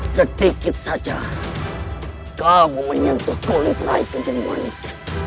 sedikit saja kamu menyentuh kulit raikun yang wanit